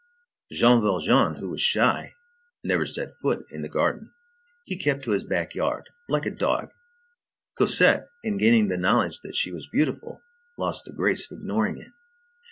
Jean Valjean, who was shy, never set foot in the garden. He kept to his back yard, like a dog. Cosette, in gaining the knowledge that she was beautiful, lost the grace of ignoring it.